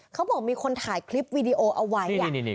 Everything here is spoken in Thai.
เขาบอกมีคนถ่ายคลิปวีดีโอเอาไว้